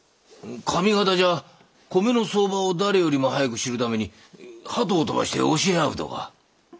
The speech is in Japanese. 上方じゃ米の相場を誰よりも早く知るために鳩を飛ばして教え合うとか。